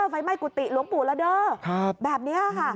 ไฟไหม้กุฏิหลวงปู่ละเด้อแบบนี้ค่ะ